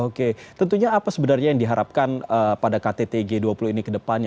oke tentunya apa sebenarnya yang diharapkan pada ktt g dua puluh ini ke depannya